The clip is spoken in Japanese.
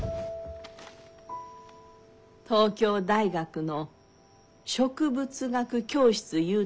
東京大学の植物学教室ゆう